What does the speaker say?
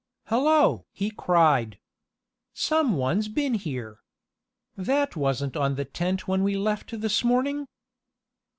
"Hello!" he cried. "Some one's been here. That wasn't on the tent when we left this morning."